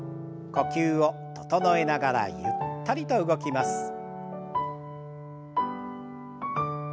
呼吸を整えながらゆったりと動きます。